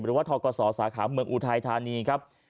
หรือว่าทกศสาขาเมืองอุทายธานีครับ